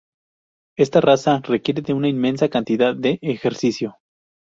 Esta raza requiere una inmensa cantidad de ejercicio.